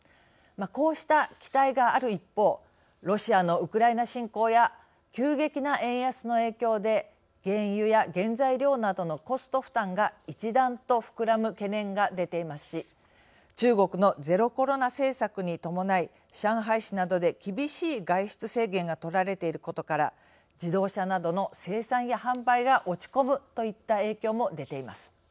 こうした期待がある一方ロシアのウクライナ侵攻や急激な円安の影響で原油や原材料などのコスト負担が一段と膨らむ懸念が出ていますし中国のゼロコロナ政策に伴い上海市などで厳しい外出制限がとられていることから自動車などの生産や販売が落ち込むといった影響も出ています。